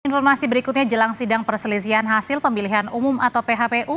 informasi berikutnya jelang sidang perselisihan hasil pemilihan umum atau phpu